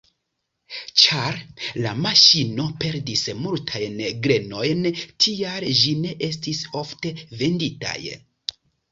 Ĉar la maŝino perdis multajn grenojn, tial ĝi ne estis ofte venditaj.